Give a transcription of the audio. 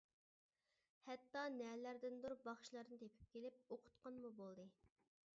ھەتتا، نەلەردىندۇر باخشىلارنى تېپىپ كېلىپ، ئوقۇتقانمۇ بولدى.